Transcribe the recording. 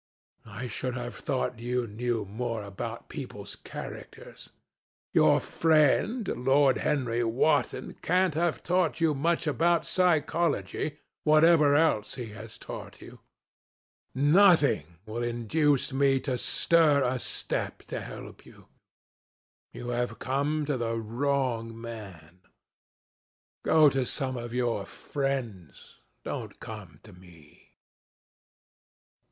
I should have thought you knew more about people's characters. Your friend Lord Henry Wotton can't have taught you much about psychology, whatever else he has taught you. Nothing will induce me to stir a step to help you. You have come to the wrong man. Go to some of your friends. Don't come to me."